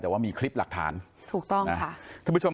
แต่ว่ามีคลิปหลักฐานถูกต้องค่ะ